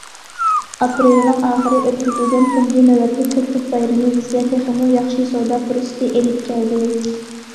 ئاپرېلنىڭ ئاخىرى ئۆتكۈزۈلگەن تۇنجى نۆۋەتلىك كۆكتات بايرىمى بىزگە تېخىمۇ ياخشى سودا پۇرسىتى ئېلىپ كەلدى.